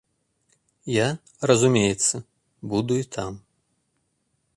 Я, разумеецца, буду і там.